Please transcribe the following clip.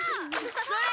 それ！